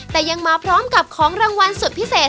แต่ยังมาพร้อมกับของรางวัลสุดพิเศษ